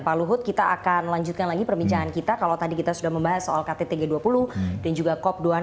pak luhut kita akan lanjutkan lagi perbincangan kita kalau tadi kita sudah membahas soal kttg dua puluh dan juga cop dua puluh enam